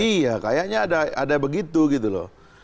iya kayaknya ada begitu gitu loh